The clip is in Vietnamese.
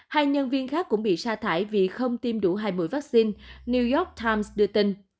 hai nhân viên khác cũng bị sa thải vì không tiêm đủ hai mũi vaccine new york times đưa tin